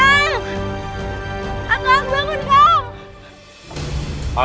apa yangbiang untuk kamu